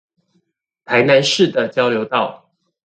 台南市的交流道